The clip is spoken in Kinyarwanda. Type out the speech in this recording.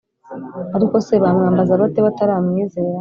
ariko se bamwambaza bate bataramwizera?